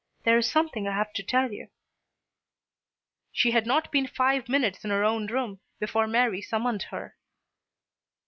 There is something I have to tell you." She had not been five minutes in her own room before Mary summoned her.